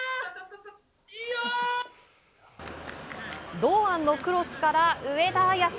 堂安のクロスから上田綺世。